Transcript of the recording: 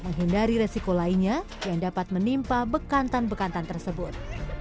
menghindari resiko lainnya yang dapat menimpa bekantan bekantan tersebut